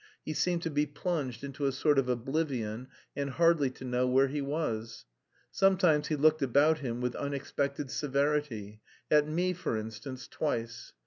He seemed to be plunged into a sort of oblivion and hardly to know where he was. Sometimes he looked about him with unexpected severity at me, for instance, twice.